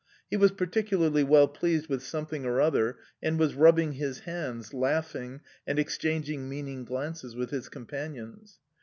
He was particularly well pleased with something or other, and was rubbing his hands, laughing and exchanging meaning glances with his companions.